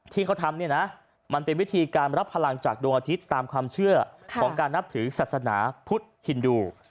ที่เขาทำเนี่ยนะมันเป็นวิธีการรับพลังจากดวงอาทิตย์ตามความเชื่อของการนับถือศาสนาพุทธฮินดู